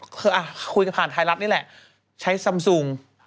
คือคุยกันผ่านไทยรัฐนี่แหละใช้ซำซุง